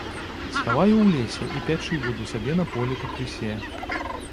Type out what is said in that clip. Схаваю ў лесе і пячы буду сабе на полі пакрысе.